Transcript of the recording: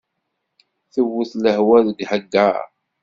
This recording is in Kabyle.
Tewwet lehwa deg ahagar?